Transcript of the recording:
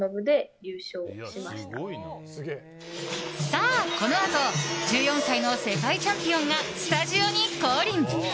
さあ、このあと１４歳の世界チャンピオンがスタジオに降臨。